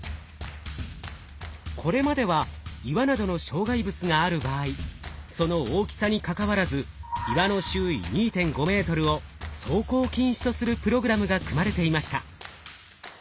これまでは岩などの障害物がある場合その大きさにかかわらず岩の周囲２．５ｍを走行禁止とするプログラムが組まれていました。